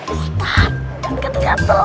ustadz jangan gatel gatel